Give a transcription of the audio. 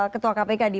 ketua kpk di